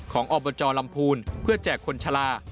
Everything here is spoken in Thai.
อบจลำพูนเพื่อแจกคนชะลา